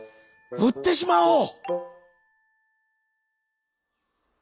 うってしまおう」。